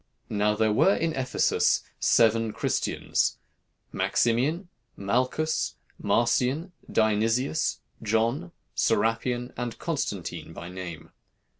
"Now there were in Ephesus seven Christians, Maximian, Malchus, Marcian, Dionysius, John, Serapion, and Constantine by name.